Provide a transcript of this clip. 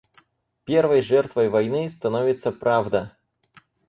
Первой жертвой войны становится правда